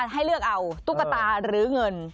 ให้เลือกเอาตุ๊กตาหรือเงิน